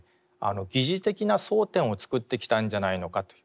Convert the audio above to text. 疑似的な争点を作ってきたんじゃないのかという。